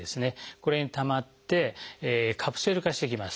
これにたまってカプセル化してきます。